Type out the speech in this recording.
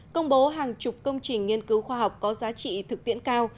công bố hàng chục công trình nghiên cứu khoa học có giá trị thực tiễn cao